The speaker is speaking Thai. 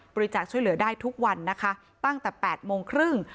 ช่วยเหลือได้ทุกวันนะคะตั้งแต่๘โมงครึ่ง